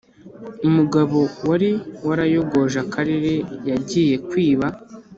umugabo wari warayogoje akarere yagiye kwiba